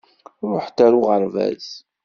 Ṛuḥet ar uɣerbaz!